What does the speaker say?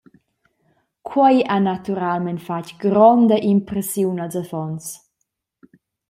Quei ha naturalmein fatg gronda impressiun als affons.